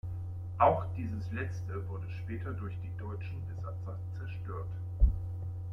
Auch dieses letzte wurde später durch die deutschen Besatzer zerstört.